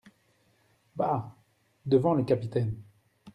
Bah ! devant le capitaine !